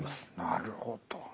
なるほど。